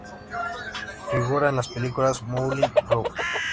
Figura en las películas "Moulin Rouge!